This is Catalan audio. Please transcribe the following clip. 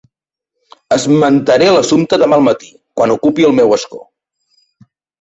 Esmentaré l'assumpte demà al matí quan ocupi el meu escó.